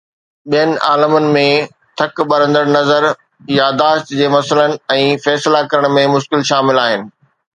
ٻين علامن ۾ ٿڪ، ٻرندڙ نظر، ياداشت جي مسئلن، ۽ فيصلا ڪرڻ ۾ مشڪل شامل آهن